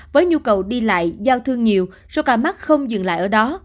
với nhu cầu đi lại giao thương nhiều số ca mắc không dừng lại ở đó